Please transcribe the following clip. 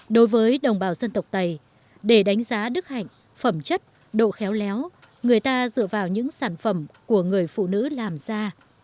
đối với đồng bào dân tộc tây để đánh giá đức hạnh phẩm chất độ khéo léo người ta dựa vào những sản phẩm của người phụ nữ làm ra